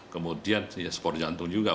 kemudian ya spor jantung juga